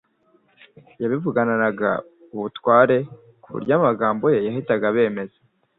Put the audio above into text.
Yabivuganaga ubutware ku buryo amagambo ye yahitaga abemeza.